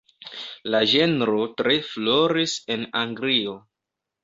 La ĝenro tre floris en Anglio.